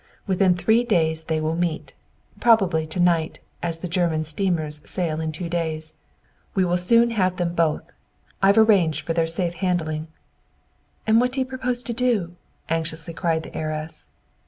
Within three days they will meet, probably to night, as the German steamers sail in two days. We will soon have them both! "I've arranged for their safe handling." "And what do you propose to do?" anxiously cried the heiress.